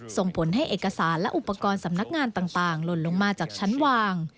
ส่งผลให้เอกสารและอุปกรณ์สำนักงานต่างหล่นลงมาจากชั้นวาง